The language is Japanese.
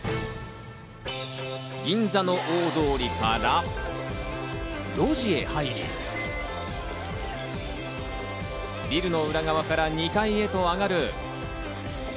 銀座の大通りから路地へ入り、ビルの裏側から２階へと上がる。